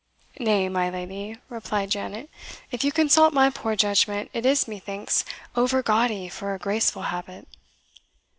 "Nay, my lady," replied Janet, "if you consult my poor judgment, it is, methinks, over gaudy for a graceful habit."